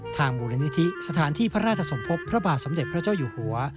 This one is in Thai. มูลนิธิสถานที่พระราชสมภพพระบาทสมเด็จพระเจ้าอยู่หัว